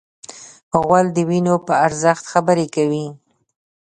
غول د وینې په ارزښت خبرې کوي.